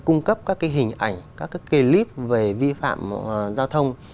cung cấp các cái hình ảnh các cái clip về vi phạm giao thông